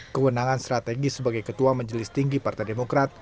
kewenangan strategis sebagai ketua majelis tinggi partai demokrat